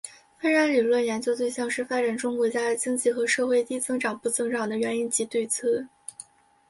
发展理论的研究对象是发展中国家的经济和社会低增长不增长的原因及对策。